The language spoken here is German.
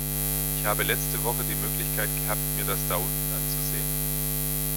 Ich habe letzte Woche die Möglichkeit gehabt, mir das da unten anzusehen.